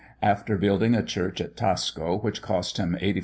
After building a church at Tasco, which cost him 84,000_l.